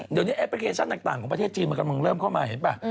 เดี๋ยวนี้แอปพลิเคชันต่างของประเทศจีนมันกำลังเริ่มเข้ามาเห็นป่ะ